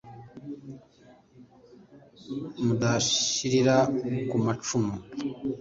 mudashirira ku macumu